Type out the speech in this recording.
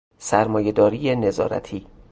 سرمایهداری نظارتی